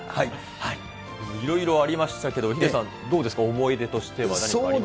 いろいろありましたけど、ヒデさん、どうですか、思い出としては何かありますか？